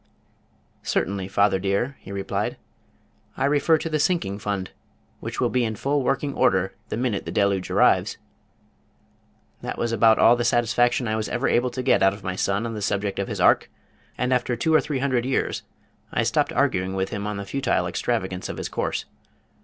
"Certainly, father dear," he replied. "I refer to the Sinking Fund which will be in full working order the minute the deluge arrives." This was about all the satisfaction I was ever able to get out of my son on the subject of his Ark, and after two or three hundred years I stopped arguing with him on the futile extravagance of his course.